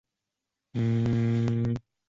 晚年在广东应元书院讲学。